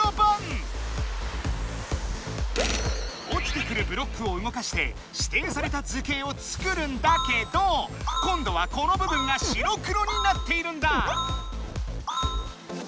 おちてくるブロックをうごかしてしていされた図形を作るんだけど今度はこの部分が白黒になっているんだ！